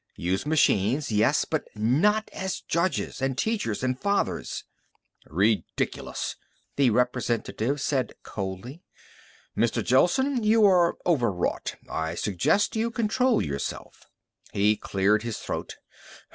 Use machines, yes, but not as judges and teachers and fathers." "Ridiculous," the representative said coldly. "Mr. Gelsen, you are overwrought. I suggest you control yourself." He cleared his throat.